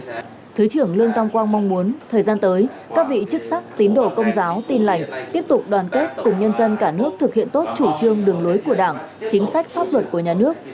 đồng chí thứ trưởng bày tỏ ghi nhận sự đóng góp của các vị chức sắc tín đổ công giáo tin lành trong việc giữ gìn an ninh trả tự góp phần phát triển kinh tế xã hội xây dựng đất nước